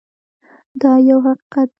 دا یو حقیقت دی.